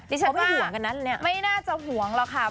เพราะไม่ห่วงกันนั้นเนี่ยเดี๋ยวฉันว่าไม่น่าจะห่วงหรอกค่ะ